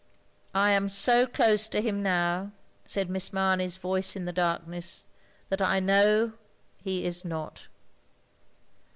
"" I am so close to him now, " said Miss Mamey's voice in the darkness, ''that I know he is not."